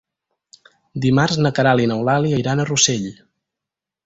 Dimarts na Queralt i n'Eulàlia iran a Rossell.